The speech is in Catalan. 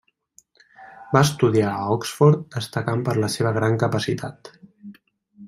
Va estudiar a Oxford destacant per la seva gran capacitat.